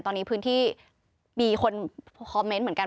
ตอนนี้พื้นที่มีคนคอมเมนต์เหมือนกัน